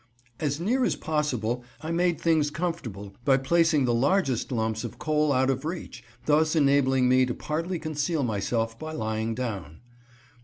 As near as possible I made things comfortable by placing the largest lumps of coal out of reach, thus enabling me to partly conceal myself by lying down.